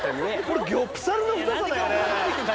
これギョプサルの太さだよね。